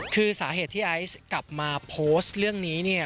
คือสาเหตุที่ไอซ์กลับมาโพสต์เรื่องนี้เนี่ย